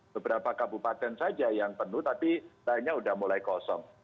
beberapa kabupaten saja yang penuh tapi lainnya sudah mulai kosong